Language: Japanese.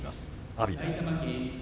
阿炎です。